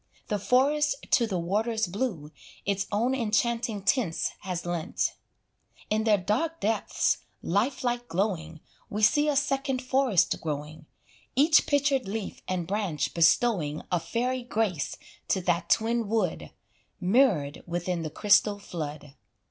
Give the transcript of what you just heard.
The forest to the waters blue Its own enchanting tints has lent; In their dark depths, lifelike glowing, We see a second forest growing, Each pictured leaf and branch bestowing A fairy grace to that twin wood, Mirrored within the crystal flood.